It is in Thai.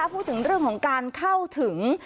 พูดถึงเรื่องของการเข้าถึง